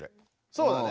そうだね。